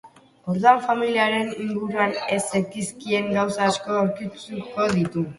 Orduan, familiaren inguruan ez zekizkien gauza asko aurkituko ditu.